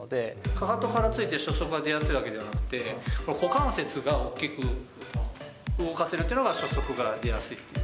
かかとからついて初速が出やすいわけではなくて、股関節が大きく動かせるというのが初速が出やすいという。